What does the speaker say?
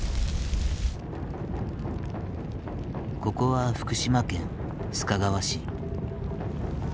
ここは福島県須賀川市。